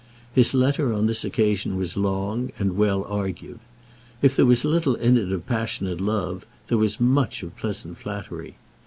His letter on this occasion was long, and well argued. If there was little in it of passionate love, there was much of pleasant flattery.